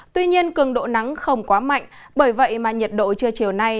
tuy nhiên cường độ nắng không quá mạnh bởi vậy mà nhiệt độ trưa chiều nay